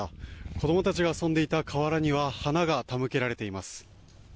子どもたちが遊んでいた河原には花が手向けられています。